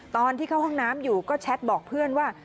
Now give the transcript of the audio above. ตอนที่เข้าห้องน้ำอยู่ก็แชทบอกเพื่อนว่า